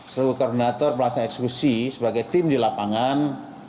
seluruh koordinator pelaksanaan eksekusi sebagai tim di lapangan